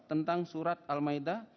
tentang surat al maida